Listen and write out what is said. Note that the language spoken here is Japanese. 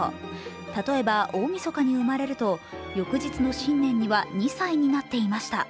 例えば大みそかに生まれると、翌日の新年には２歳になっていました。